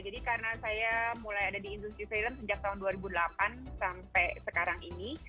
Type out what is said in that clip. jadi karena saya mulai ada di industri film sejak tahun dua ribu delapan sampai sekarang ini